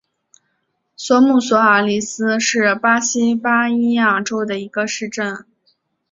索图索阿里斯是巴西巴伊亚州的一个市镇。